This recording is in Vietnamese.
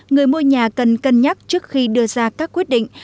người mua nhà cần cân nhắc trước khi đưa ra các quyết định